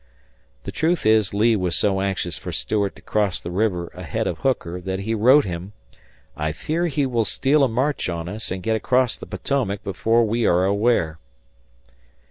The truth is Lee was so anxious for Stuart to cross the river ahead of Hooker that he wrote him, "I fear he will steal a march on us and get across the Potomac before we are aware."